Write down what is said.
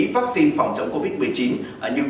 vắc xin phòng chống covid một mươi chín nhưng